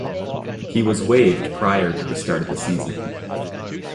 He was waived prior to the start of the season.